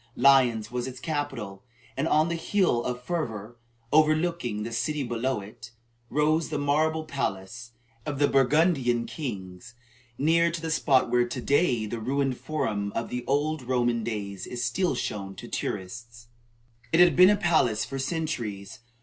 Lyons was its capital, and on the hill of Fourviere, overlooking the city below it, rose the marble palace of the Burgundian kings, near to the spot where, to day, the ruined forum of the old Roman days is still shown to tourists. It had been a palace for centuries.